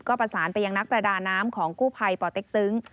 ก็ประสานไปยังนักประดาน้ำของกู้ภัยปเต็กตึง